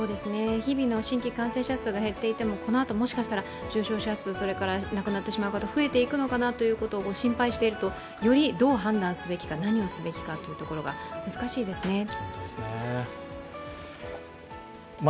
日々の新規感染者数が減っていても、このあと、もしかしたら重症数、それから亡くなっていく方が増えていくのかなと思いますと、心配しているとよりどう判断すべきか何をすべきかが難しいですね。